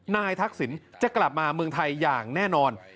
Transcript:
ทักษิณจะกลับมาเมืองไทยอย่างแน่นอน